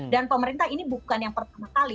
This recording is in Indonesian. pemerintah ini bukan yang pertama kali